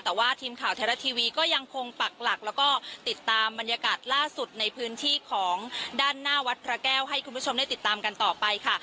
แต่ว่าทีมข่าวไทยรัฐทีวีก็ยังคงปักหลักแล้วก็ติดตามบรรยากาศล่าสุดในพื้นที่ของด้านหน้าวัดพระแก้วให้คุณผู้ชมได้ติดตามกันต่อไปค่ะ